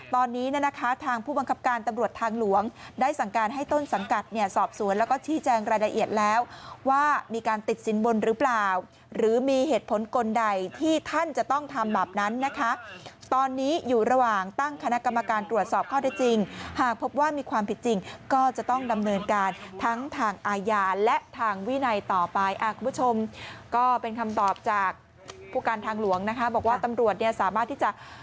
ทางผู้บังคับการณ์ตำรวจทางหลวงได้สั่งการให้ต้นสังกัดเนี่ยสอบสวนแล้วก็ชี้แจ้งรายละเอียดแล้วว่ามีการติดสินบนหรือเปล่าหรือมีเหตุผลกลใดที่ท่านจะต้องทำแบบนั้นนะคะตอนนี้อยู่ระหว่างตั้งคณะกรรมการตรวจสอบข้อได้จริงหากพบว่ามีความผิดจริงก็จะต้องดำเนินการทั้งทางอาญาและทางวินัยต่อไป